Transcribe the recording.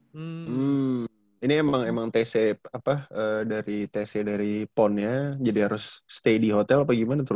hmm ini emang emang tc apa dari tc dari ponnya jadi harus stay di hotel apa gimana tuh